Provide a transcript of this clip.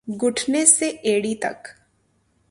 گھٹنے سے ایڑی تک